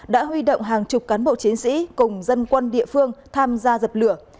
đã huy động hàng chục cán bộ chiến sĩ cùng dân quân địa phương tham gia dập lửa